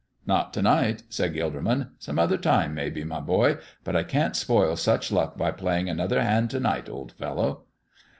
"Not to night," said Gilderman; "some other time maybe, my boy, but I can't spoil such luck by playing another hand to night, old fellow."